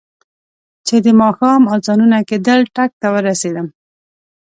چې د ماښام اذانونه کېدل ټک ته ورسېدم.